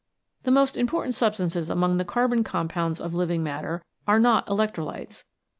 The most important substances among the carbon compounds of living matter are not electrolytes.